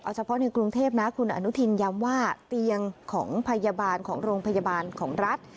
เฉพาะในกรุงเทพนะคุณอนุทินย้ำว่าเตียงของพยาบาลของโรงพยาบาลของรัฐ